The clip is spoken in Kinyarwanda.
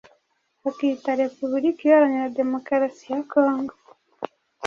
akita Repubulika Iharanira Demokarasi ya Congo.